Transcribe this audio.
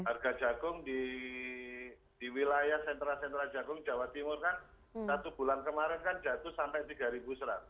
harga jagung di wilayah sentra sentra jagung jawa timur kan satu bulan kemarin kan jatuh sampai rp tiga seratus